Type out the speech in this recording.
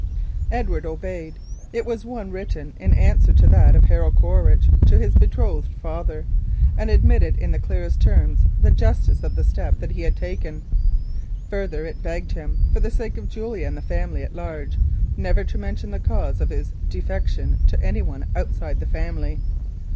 Edward obeyed. It was one written in answer to that of Harold Quaritch to his betrothed's father, and admitted in the clearest terms the justice of the step that he had taken. Further, it begged him for the sake of Julia and the family at large, never to mention the cause of his defection to any one outside the family.